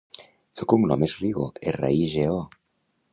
El cognom és Rigo: erra, i, ge, o.